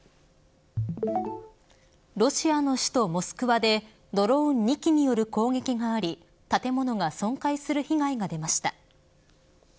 ロシアの首都モスクワでドローン２機による攻撃があり建物が損壊する被害が出ました。